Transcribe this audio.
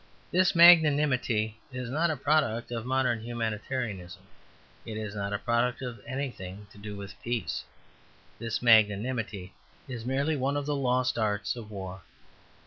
This magnanimity is not a product of modern humanitarianism; it is not a product of anything to do with peace. This magnanimity is merely one of the lost arts of war.